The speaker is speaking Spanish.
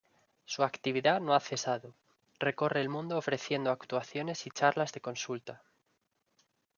Su actividad no ha cesado: recorre el mundo ofreciendo actuaciones y charlas de consulta.